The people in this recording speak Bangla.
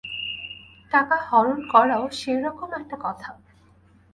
টাকা হরণ করাও সেইরকম একটা কথা।